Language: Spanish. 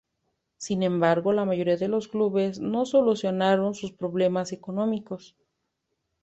Sin embargo, la mayoría de los clubes no solucionaron sus problemas económicos.